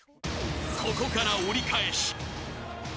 ［ここから折り返し。笑